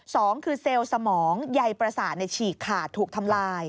สองคือเซลล์สมองใยประสาทฉีกขาดถูกทำลาย